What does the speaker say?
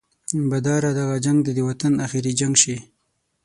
باداره دغه جنګ دې د وطن اخري جنګ شي.